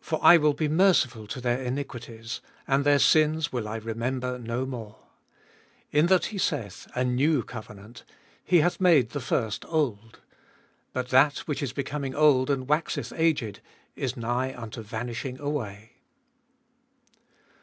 For I will be merciful to their iniquities, And their sins will I remember no more. 13. In that he saith, A new covenant, he hath made the first old. But that which is becoming old and waxeth aged is nigh unto vanishing away.